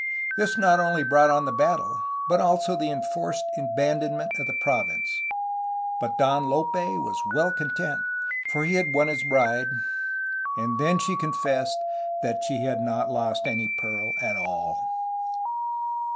This not only brought on the battle but also the enforced abandonment of the province. But Don Lope was well content, for he won his bride, — and then she confessed that she had not lost any pearl at all.